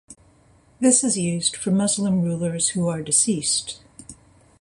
This is used for Muslim rulers who are deceased.